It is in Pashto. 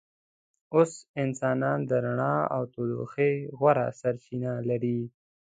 اوس انسانان د رڼا او تودوخې غوره سرچینه لري.